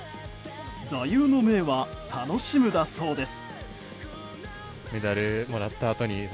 座右の銘は楽しむだそうです。